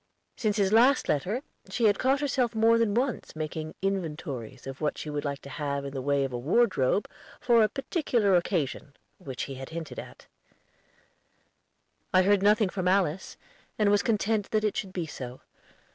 Since his last letter, she had caught herself more than once making inventories of what she would like to have in the way of a wardrobe for a particular occasion, which he had hinted at. I heard nothing from Alice, and was content that it should be so.